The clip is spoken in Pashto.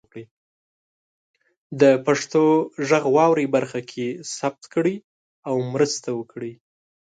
د پښتو غږ واورئ برخه کې ثبت کړئ او مرسته وکړئ.